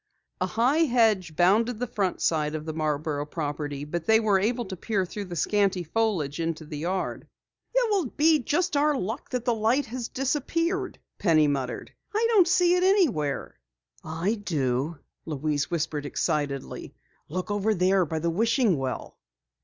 A high hedge bounded the front side of the Marborough property, but they were able to peer through the scanty foliage into the yard. "It will be just our luck that the light has disappeared," Penny muttered. "I don't see it anywhere." "I do!" Louise whispered excitedly. "Look over there by the wishing well."